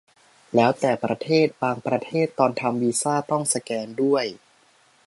แล้วแต่ประเทศ บางประเทศตอนทำวีซ่าต้องสแกนด้วย